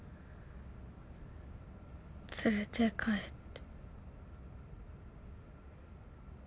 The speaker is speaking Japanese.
連れて帰って。